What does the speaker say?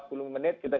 kita sudah selesai